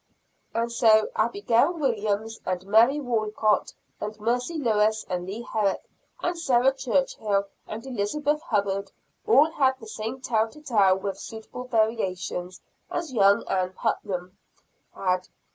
And so Abigail Williams, and Mary Walcot, and Mercy Lewis, and Leah Herrick, and Sarah Churchill, and Elizabeth Hubbard all had the same tale to tell with suitable variations, as young Ann Putnam had.